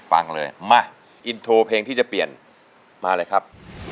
ฟังเลยมาอินโทรเพลงที่จะเปลี่ยนมาเลยครับ